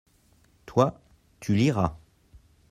toi, tu liras.